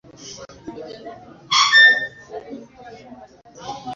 Ni mto mrefu wa pili katika Afrika baada ya Nile.